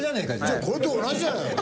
じゃあこれと同じじゃないの？